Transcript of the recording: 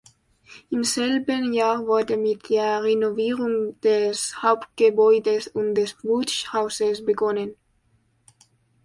Im selben Jahr wurde mit der Renovierung des Hauptgebäudes und des Bootshauses begonnen.